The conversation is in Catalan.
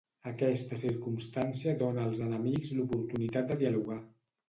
Aquesta circumstància dóna als enemics l’oportunitat de dialogar.